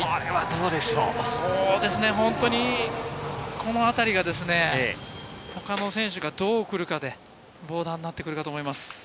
このあたりが他の選手がどう来るかでボーダーになってくるかと思います。